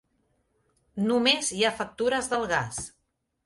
Només hi ha factures del gas.